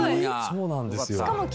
そうなんですよ。